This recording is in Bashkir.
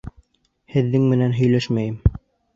Һеҙҙең менән һөйләшмәйем.